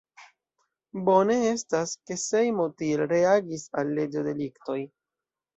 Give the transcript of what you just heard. Bone estas, ke Sejmo tiel reagis al leĝo-deliktoj.